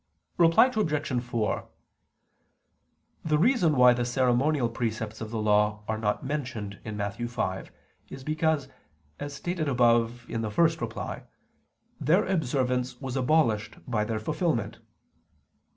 Reply Obj. 4: The reason why the ceremonial precepts of the Law are not mentioned in Matt. 5 is because, as stated above (ad 1), their observance was abolished by their fulfilment.